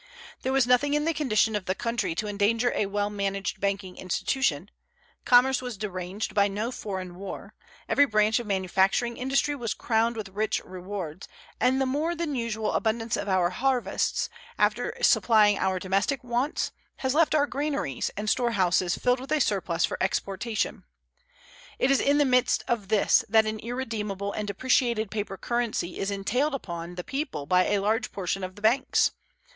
There was nothing in the condition of the country to endanger a well managed banking institution; commerce was deranged by no foreign war; every branch of manufacturing industry was crowned with rich rewards, and the more than usual abundance of our harvests, after supplying our domestic wants, had left our granaries and storehouses filled with a surplus for exportation. It is in the midst of this that an irredeemable and depreciated paper currency is entailed upon the people by a large portion of the banks.